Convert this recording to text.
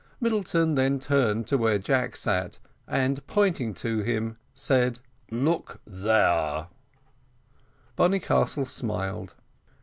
Middleton then turned to where Jack sat, and pointing to him, said, "Look there." Bonnycastle smiled.